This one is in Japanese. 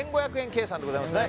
計算でございますね